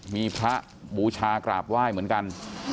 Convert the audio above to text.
มีพระบูชากราบไหว้เหมือนกัน